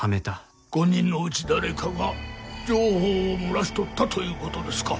５人のうち誰かが情報を漏らしとったという事ですか？